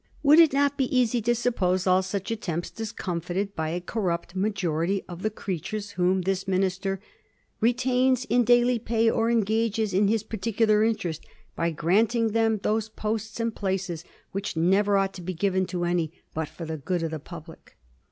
Would it not be easy to suppose all such attempts discomfited by a corrupt majority of the creatures whom this minister '^ retains in daily pay or engages in his par ticular interest by granting them those posts and places which never ought to be given to any but for the good of the public?"